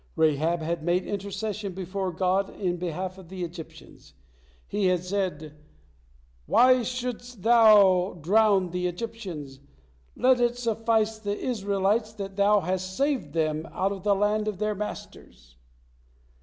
Rahab had made intercession before God in behalf of the Egyptians. He had said: "Why shouldst Thou drown the Egyptians? Let is suffice the Israelites that Thou hast saved them out of the hand of their masters."